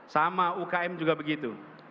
sama ukm juga begitu